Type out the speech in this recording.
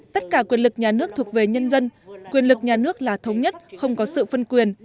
tất cả quyền lực nhà nước thuộc về nhân dân quyền lực nhà nước là thống nhất không có sự phân quyền